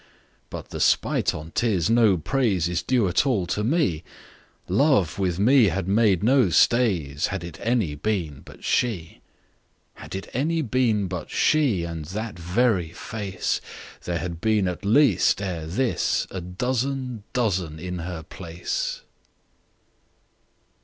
But the spite on 't is, no praiseIs due at all to me:Love with me had made no stays, Had it any been but she. Had it any been but she, And that very face, There had been at least ere thisA dozen dozen in her place.